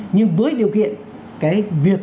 nhưng với điều kiện cái việc